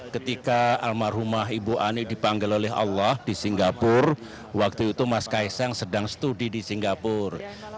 ketika almarhumah ibu ani dipanggil oleh allah di singapura waktu itu mas kaisang sedang studi di singapura